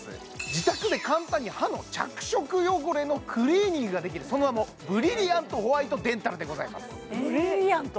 自宅で簡単に歯の着色汚れのクリーニングができるその名もブリリアントホワイトデンタルでございますブリリアント？